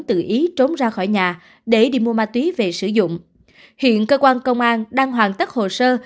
tự ý trốn ra khỏi nhà để đi mua ma túy về sử dụng hiện cơ quan công an đang hoàn tất hồ sơ